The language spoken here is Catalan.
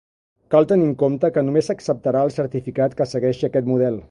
Cal tenir en compte que només s'acceptarà el certificat que segueixi aquest model.